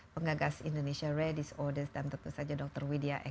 pengagas indonesia redis odes dan tentu saja dr widya ekso